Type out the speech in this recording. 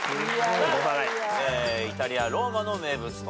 イタリアローマの名物と。